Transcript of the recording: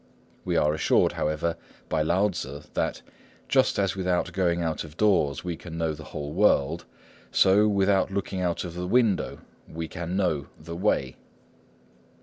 We are assured, however, by Lao Tzŭ that "just as without going out of doors we can know the whole world, so without looking out of window we can know the Way."